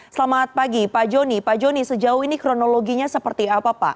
selamat pagi pak joni pak joni sejauh ini kronologinya seperti apa pak